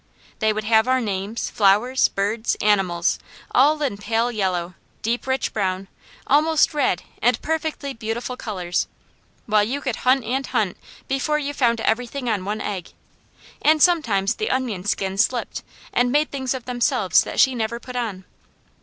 They would have our names, flowers, birds, animals, all in pale yellow, deep rich brown, almost red, and perfectly beautiful colours, while you could hunt and hunt before you found everything on one egg. And sometimes the onion skins slipped, and made things of themselves that she never put on.